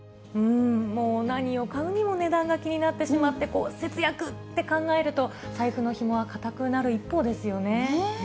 もう何を買うにも値段が気になってしまって、節約って考えると、財布のひもは固くなる一方ですよね。